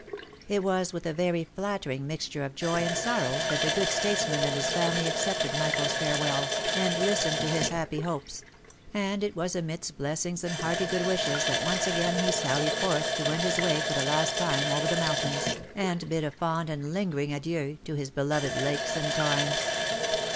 It was with a very flattering mixture of joy and sorrow that the good statesman and his family accepted Michael's farewell, and lis tened to his happy hopes ; and it was amidst blessings and hearty good wishes that once again he sallied forth to wend his way for the last time over the mountains, and bid a fond and lingering adieu to his beloved lakes and tarns.